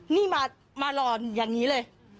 นี่มารอนอย่างนี้เลย